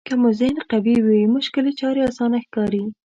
که مو ذهن قوي وي مشکلې چارې اسانه ښکاري.